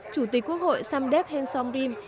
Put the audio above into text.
chủ tịch quốc hội samdet hensom rim